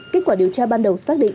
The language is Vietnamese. kết quả điều tra ban đầu sát